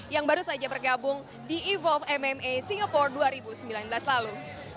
yang baru saja bergabung di evolve mma singapore dua ribu sembilan belas lalu